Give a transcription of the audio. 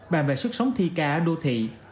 bàn về sức sống thi ca ở đô thị